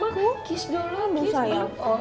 kiss dulu bu sayang